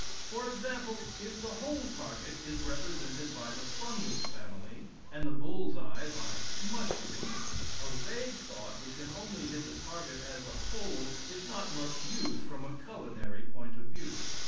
For example, if the whole target is represented by the fungus family and the bull's eye by mushrooms, a vague thought which can only hit the target as a whole is not much use from a culinary point of view.